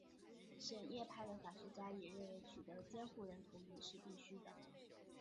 什叶派的法学家也认为取得监护人同意是必须的。